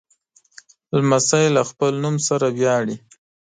لمسی له خپل نوم سره ویاړي.